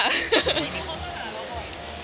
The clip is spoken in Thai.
ไม่มีคนมาหาเราก่อน